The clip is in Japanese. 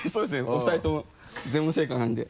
お二人とも全問正解なんで。